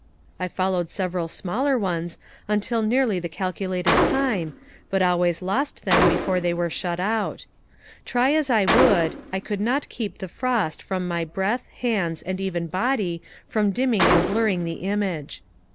I followed several smaller ones until nearly the calculated time, but always lost them before they were shut out. Try as I would, I could not keep the frost from my breath, hands, and even body from dimming and blurring the image.